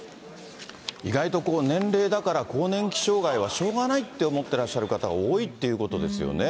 意外と、年齢だから、更年期障害はしょうがないって思ってらっしゃる方が多いっていうことですよね。